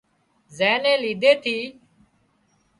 زين نين ليڌي ٿِي